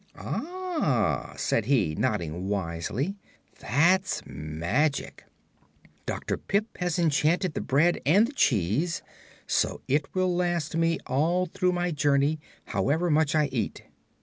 "Ah," said he, nodding wisely; "that's magic. Dr. Pipt has enchanted the bread and the cheese, so it will last me all through my journey, however much I eat."